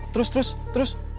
terus terus terus